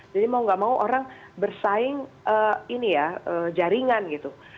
jadi mau nggak mau orang bersaing jaringan gitu